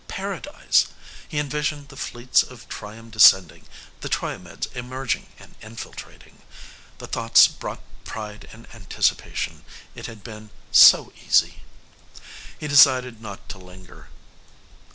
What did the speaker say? Paradise! He envisioned the fleets of Triom descending, the Triomeds emerging and infiltrating. The thoughts brought pride and anticipation. It had been so easy.... He decided not to linger.